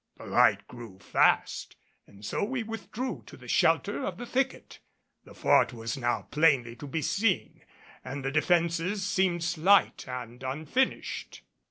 The light grew fast, and so we withdrew to the shelter of the thicket. The fort was now plainly to be seen and the defenses seemed slight and unfinished.